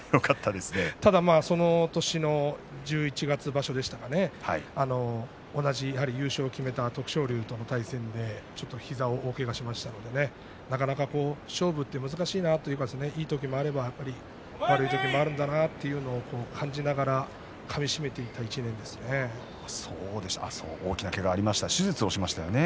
ただその年の十一月場所でしたかね同じやはり優勝を決めた徳勝龍との対戦でちょっと膝を大けがしましたのでなかなか勝負は難しいなといい時もあれば悪い時もあるんだなと感じながら大きなけががありました。